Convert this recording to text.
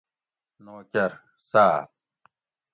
نوکر: صاۤب